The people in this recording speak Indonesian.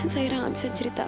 zaira gak bisa cerita